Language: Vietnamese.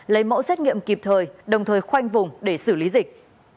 lấy mẫu xét nghiệm kịp thời đồng thời khoanh vùng để xử lý dịch